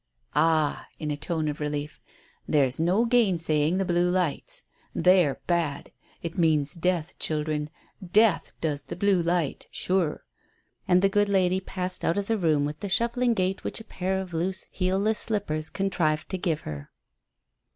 "Ah," in a tone of relief. "There's no gainsaying the blue lights. They're bad. It means death, children, death, does the blue light sure." And the good lady passed out of the room with the shuffling gait which a pair of loose, heelless slippers contrived to give her.